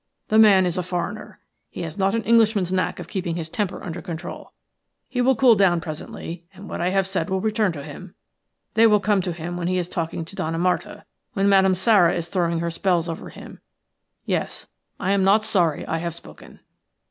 "The man is a foreigner; he has not an Englishman's knack of keeping his temper under control. He will cool down presently and what I have said will return to him. They will come to him when he is talking to Donna Marta; when Madame Sara is throwing her spells over him. Yes, I am not sorry I have spoken."